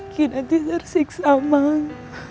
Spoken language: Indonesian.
kinanti tersiksa mang